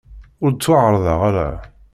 Ur d-ttwaɛerḍeɣ ara.